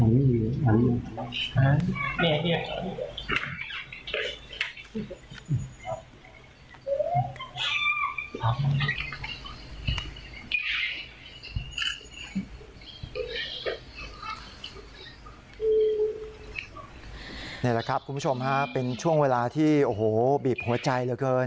นี่แหละครับคุณผู้ชมฮะเป็นช่วงเวลาที่โอ้โหบีบหัวใจเหลือเกิน